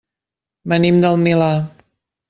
Venim del Milà.